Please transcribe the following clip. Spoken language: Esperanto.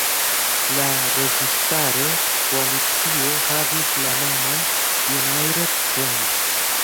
La registaro koalicio havis la nomon United Front.